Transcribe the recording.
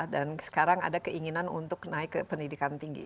dan sekarang ada keinginan untuk naik ke pendidikan tinggi